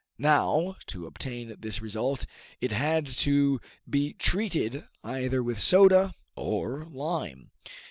Now, to obtain this result, it had to be treated either with soda or lime.